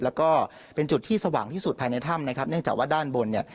แล้วก็เป็นจุดที่สว่างที่สุดภายในถ้ำนะครับเนื่องจากว่าด้านบนเนี่ย